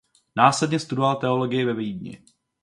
Následně studoval teologii ve Vídni.